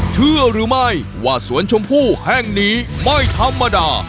เชื่อหรือไม่ว่าสวนชมพู่แห่งนี้ไม่ธรรมดา